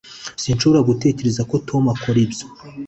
Sinshobora gutekereza ko Tom akora ibyo